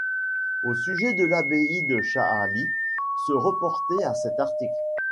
Au sujet de l'abbaye de Chaalis, se reporter à cet article.